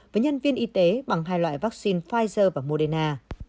với nhân viên y tế bằng hai loại vắc xin pfizer và moderna